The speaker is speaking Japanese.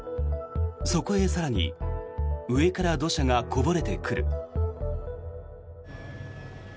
そこへ更に上から土砂がこぼれてくる。